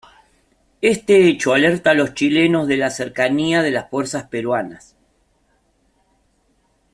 Este hecho alerta a los chilenos de la cercanía de las fuerzas peruanas.